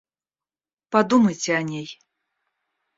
Подумайте о ней!